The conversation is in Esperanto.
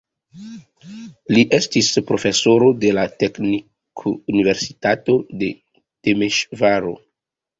Li estis profesoro de la Teknikuniversitato de Temeŝvaro.